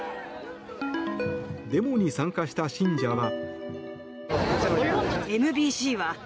デモに参加した信者は。